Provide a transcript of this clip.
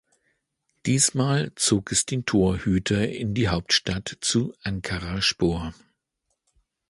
Diesmal zog es den Torhüter in die Hauptstadt zu Ankaraspor.